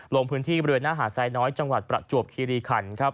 ลงพื้นที่เรือนหน้าหาดสายน้อยจังหวัดประจวบคีรีคัน